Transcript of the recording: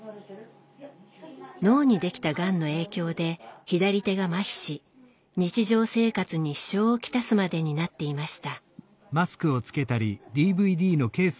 脳にできたがんの影響で左手がまひし日常生活に支障を来すまでになっていました。